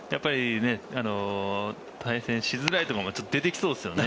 対戦しづらいところも出てきそうですよね。